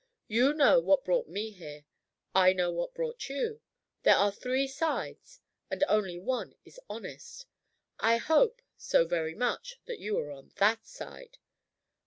"You know what brought me here. I know what brought you. There are three sides, and only one is honest. I hope, so very much, that you are on that side."